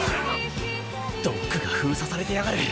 ・ドックが封鎖されてやがる。